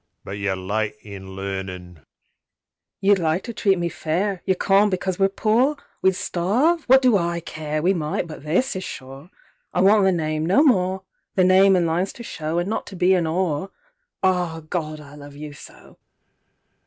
but you're late in learnin'!You'd like to treat me fair? You can't, because we're pore? We'd starve? What do I care! We might, but this is shore!I want the name—no more—The name, an' lines to show, An' not to be an 'ore….Ah, Gawd, I love you so!